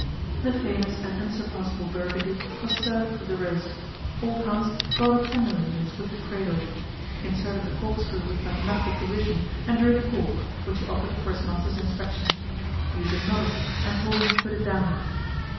The famous and unsurpassable Burgundy was served with the roast. Old Hans brought it tenderly in its wicker cradle, inserted the corkscrew with mathematical precision, and drew the cork, which he offered for his master's inspection. Eugen nodded, and told him to put it down.